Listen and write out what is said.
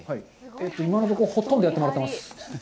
今のところ、ほとんどやってもらってます。